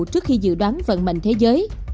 trước khi dự đoán vận mệnh thế giới